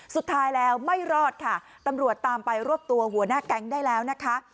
สุดท้ายแล้วไม่รอดค่ะตำรวจตามไปรวบตัวหัวหน้าแก๊งได้แล้วนะคะ